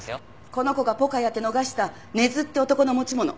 この子がポカやって逃した根津って男の持ち物。